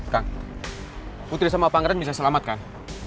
kang putri sama pangeran bisa selamat kang